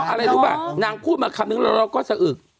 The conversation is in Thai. อะไรรู้ป่ะนางพูดมาคำนึงแล้วเราก็สะอึก